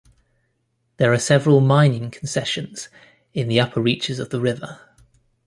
There are several mining concessions in the upper reaches of the river.